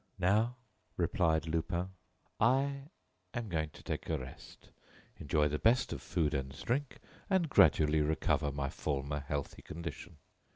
"Now," replied Lupin, "I am going to take a rest, enjoy the best of food and drink and gradually recover my former healthy condition.